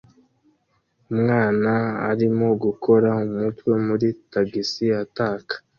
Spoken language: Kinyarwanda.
Umwana arimo gukura umutwe muri tagisi ataka